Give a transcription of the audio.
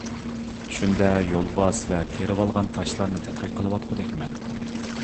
چۈشۈمدە يولۋاس ۋە تېرىۋالغان تاشلارنى تەتقىق قىلىۋاتقۇدەكمەن.